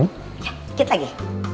ya dikit lagi